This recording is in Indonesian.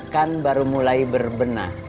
kan baru mulai berbenah